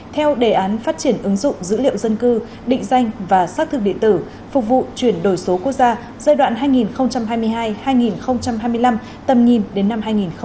theo đề án phát triển ứng dụng dữ liệu dân cư định danh và xác thực điện tử phục vụ chuyển đổi số quốc gia giai đoạn hai nghìn hai mươi hai hai nghìn hai mươi năm tầm nhìn đến năm hai nghìn ba mươi